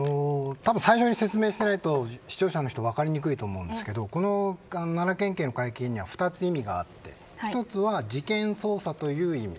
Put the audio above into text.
最初に説明していないと視聴者の方、分かりにくいと思いますが奈良県警の会見には２つ意味があって一つは事件捜査という意味。